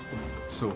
そう。